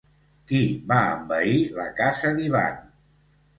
Qui va envair la casa d'Ivan?